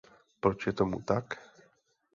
Proč je tomu tak?